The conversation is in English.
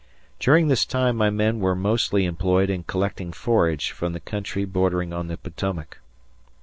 During this time my men were mostly employed in collecting forage from the country bordering on the Potomac.